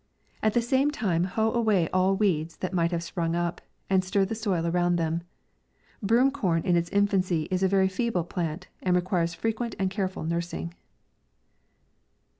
At the same time hoe away all weeds that may have sprung up. and stir the soil around them. Broom corn, in its infancy, is a very feeble plant, and re quires frequent and careful nursing.